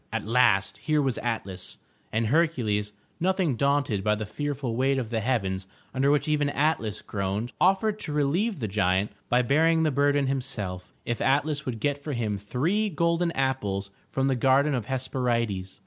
At last, here was Atlas, and Hercules, nothing daunted by the fearful weight of the heavens under which even Atlas groaned, offered to relieve the giant by bearing the burden himself, if Atlas would get for him three golden apples from the Garden of the Hesperides.